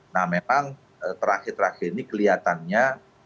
nah memang terakhir terakhir ini kelihatannya